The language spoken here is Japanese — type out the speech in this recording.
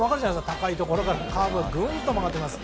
高いところからカーブがグンと曲がっています。